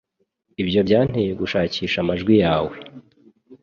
Ibyo byanteye gushakisha amajwi yawe